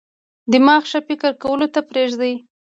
دماغ ښه فکر کولو ته پریږدي.